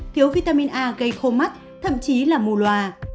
thiếu vitamin a gây khô mắt thậm chí là mù loà